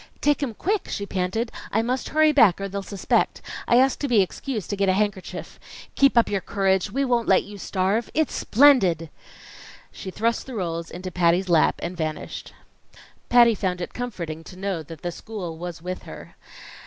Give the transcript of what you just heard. "Take 'em quick!" she panted. "I must hurry back, or they'll suspect. I asked to be excused to get a handkerchief. Keep up your courage. We won't let you starve. It's splendid!" She thrust the rolls into Patty's lap and vanished. Patty found it comforting to know that the school was with her.